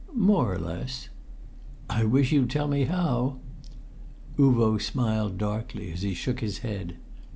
"More or less." "I wish you'd tell me how!" Uvo smiled darkly as he shook his head.